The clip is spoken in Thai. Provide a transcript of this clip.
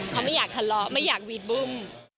เขาไม่อยากทะเลาะไม่อยากหวีดบึ้ม